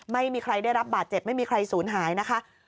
ไม่มีใครได้รับบาดเจ็บไม่มีใครสูญหายนะคะ